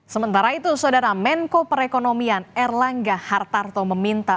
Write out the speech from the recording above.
sementara itu saudara menko perekonomian erlangga hartarto meminta